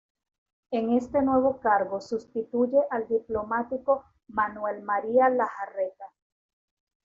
En este nuevo cargo sustituye al diplomático Manuel María Lejarreta.